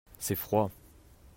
c'est froid.